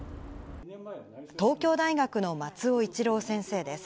東京大学の松尾一郎先生です。